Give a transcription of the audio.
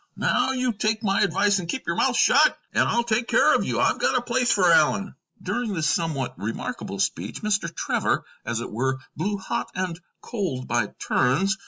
Now you take my advice and keep your mouth shut, and I'll take care of you. I've got a place for Allen." During this somewhat remarkable speech Mr. Trevor, as it were, blew hot and cold by turns.